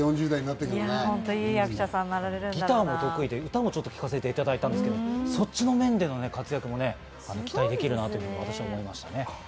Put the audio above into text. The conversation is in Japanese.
３０代、ギターも得意で、歌もちょっと聞かせていただいたんですけど、そっち面での活躍も期待できると思いました。